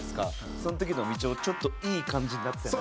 その時のみちおちょっといい感じになってた。